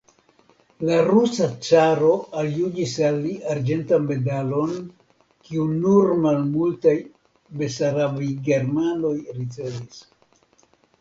La rusa caro aljuĝis al li arĝentan medalon kiun nur malmultaj besarabigermanoj ricevis.